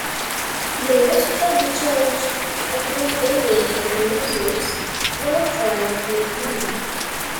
They also had the challenge of not alienating users while trying to make money.